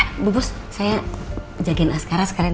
eh bu bus saya jagain asgharah sekarang